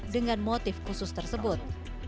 dengan motif khusus tersebut